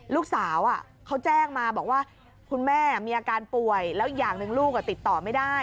ลูกสาวเขาแจ้งมาบอกว่าคุณแม่มีอาการป่วยแล้วอย่างหนึ่งลูกติดต่อไม่ได้